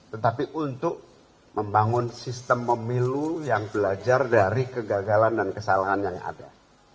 tetapi untuk membangun sistem pemilu yang belajar dari kegagalan dan kesalahan yang ada